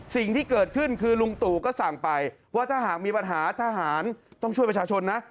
สิ่งที่เกิดขึ้นคือลุงตู่ก็สั่งไปว่าถ้าหากมีปัญหาทหารต้องช่วยประชาชนนะ